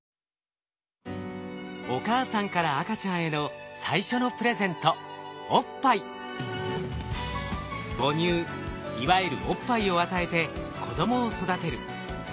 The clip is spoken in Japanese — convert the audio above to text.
お母さんから赤ちゃんへの最初のプレゼント母乳いわゆるおっぱいを与えて子供を育てる。